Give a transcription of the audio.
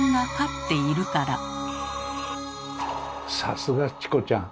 さすがチコちゃん！